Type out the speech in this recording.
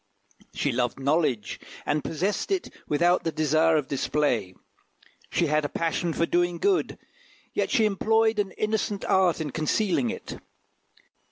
She loved knowledge, and possessed it without the desire of display; she had a passion for doing good, yet she employed an innocent art in concealing it.